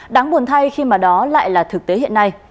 đáng buồn thay khi mà đó lại là thực tế hiện nay